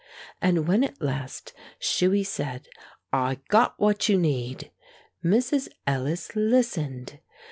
And when at last Shuey said, "I got what you need," Mrs. Ellis listened.